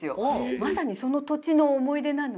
まさにその土地の思い出なので。